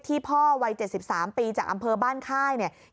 พ่อวัย๗๓ปีจากอำเภอบ้านค่ายเนี่ย